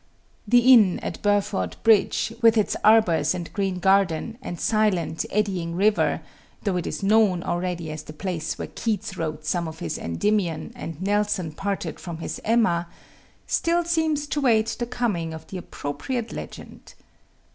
The inn at Burford Bridge, with its arbours and green garden and silent, eddying river though it is known already as the place where Keats wrote some of his Endymion and Nelson parted from his Emma still seems to wait the coming of the appropriate legend.